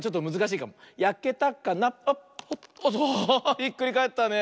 ひっくりかえったね。